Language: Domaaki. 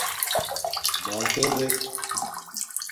مݳلٹݺ دݵک.